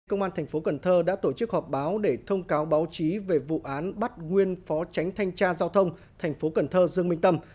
công an tp cần thơ đã tổ chức họp báo để thông cáo báo chí về vụ án bắt nguyên phó tránh thanh tra giao thông tp cần thơ dương minh tâm